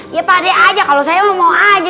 ya pandai aja kalau saya mau mau aja